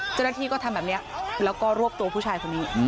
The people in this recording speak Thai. เจ้าหน้าที่ก็ทำแบบนี้แล้วก็รวบตัวผู้ชายคนนี้